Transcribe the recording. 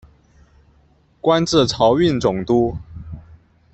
官至漕运总督。